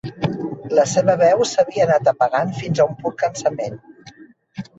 La seva veu s'havia anat apagant fins a un pur cansament.